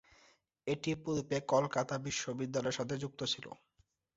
এটি পূর্বে কলকাতা বিশ্ববিদ্যালয়ের সাথে যুক্ত ছিল।